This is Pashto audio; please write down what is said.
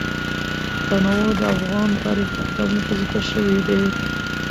تنوع د افغان تاریخ په کتابونو کې ذکر شوی دي.